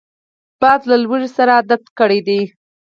باز له لوږې سره عادت کړی دی